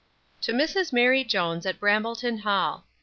To Mrs MARY JONES, at Brambleton hall.